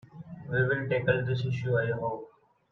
We will tackle this issue, I hope.